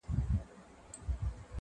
قافلې به د اغیارو پر پېچومو نیمه خوا سي-